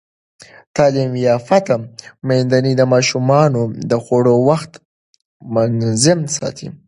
تعلیم یافته میندې د ماشومانو د خوړو وخت منظم ساتي.